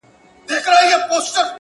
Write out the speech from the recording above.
خو پيشو راته په لاره كي مرگى دئ؛